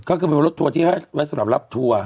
ก็คือเป็นรถทัวร์ที่ให้ไว้สำหรับรับทัวร์